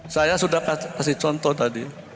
saya sudah kasih contoh tadi